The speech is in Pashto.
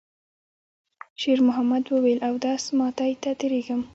شېرمحمد وویل: «اودس ماتی ته تېرېږم.»